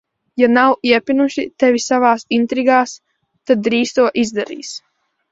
Ja nav iepinuši tevi savās intrigās, tad drīz to izdarīs.